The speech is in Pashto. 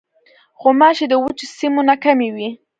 غوماشې د وچو سیمو نه کمې وي.